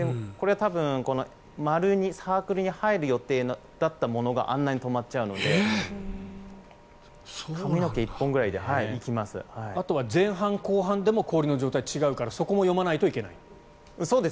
多分サークルに入る予定だったものがあんなに止まっちゃうのであとは前半、後半でも氷の状態が違うからそこも読まないといけないと。